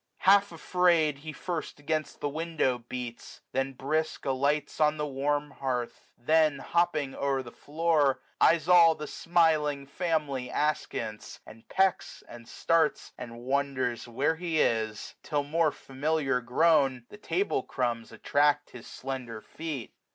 Half afraid, he first 130 Against the window beats ; then, brisk, alights On the warm hearth ; then, hopping o'er the floor, £yes all the smiling family askance, And pecks, and starts, and wonders where he is : Till more familiar grown, the table crumbs 255 Attract his slender feet.